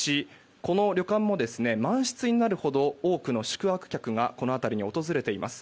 この旅館も満室になるほど多くの宿泊客がこの辺りに訪れています。